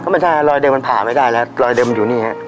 ไม่ใช่รอยเดิมมันผ่าไม่ได้แล้วรอยเดิมมันอยู่นี่ฮะ